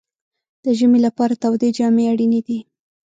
د ژمي لپاره تودې جامې اړینې دي.